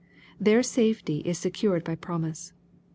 Their safety is secured by promise.